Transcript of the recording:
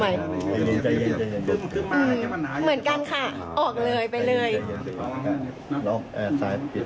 วันกอนค่อยออกเลยไปเลย